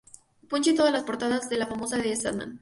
Punch y todas las portadas de la famosa The Sandman.